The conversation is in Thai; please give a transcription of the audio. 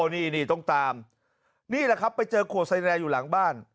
นี่ต้องตามนี่แหละครับไปเจอขวดไซแดงอยู่หลังบ้าน